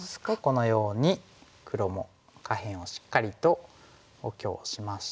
このように黒も下辺をしっかりと補強しまして。